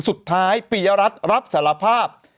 สุดท้ายปียรัตน์รับสารภาพ